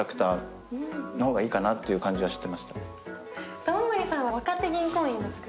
玉森さんは若手銀行員ですかね。